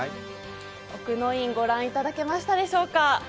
奥の院御覧いただけましたでしょうか？